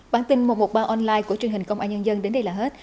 bản tin một trăm một mươi ba online của truyền hình công an nhân dân đến đây là hết